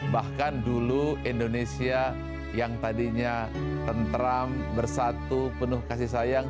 bahkan dulu indonesia yang tadinya tentram bersatu penuh kasih sayang